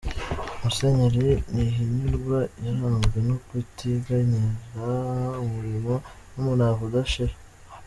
Musenyeri Ntihinyurwa yaranzwe no kutiganyira umurimo n’umurava udashira.